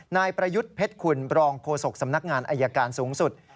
นายประยุทธ์เพชรคุณบรองโฆษกสำนักงานอายการสูงสุด